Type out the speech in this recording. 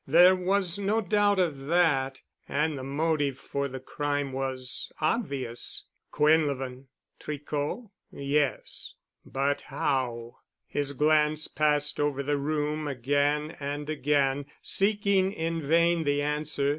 There was no doubt of that, and the motive for the crime was obvious.... Quinlevin.... Tricot? Yes. But how? His glance passed over the room again and again, seeking in vain the answer.